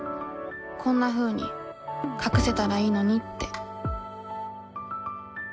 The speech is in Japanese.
こんなふうに隠せたらいいのにって。